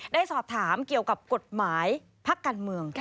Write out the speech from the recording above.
ได้สอบถามเกี่ยวกับกฎหมายพักการเมือง